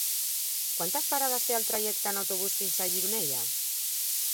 Quantes parades té el trajecte en autobús fins a Gironella?